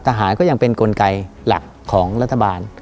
ทหารก็ยังเป็นกลไกหลักของรัฐบาล